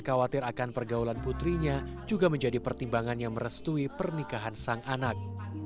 khawatir akan pergaulan putrinya juga menjadi pertimbangan yang merestui pernikahan sang anak